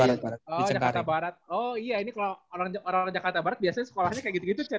oh jakarta barat oh iya ini kalau orang jakarta barat biasanya sekolahnya kayak gitu gitu cien